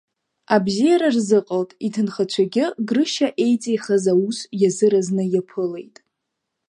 Абзиара рзыҟалт, иҭынхацәагьы Грышьа еиҵихаз аус иазыразны иаԥылеит.